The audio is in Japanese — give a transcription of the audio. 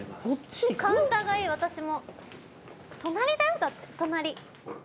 カウンターがいい私も隣だよだって隣。